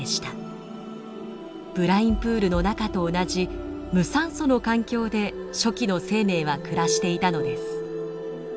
ブラインプールの中と同じ無酸素の環境で初期の生命は暮らしていたのです。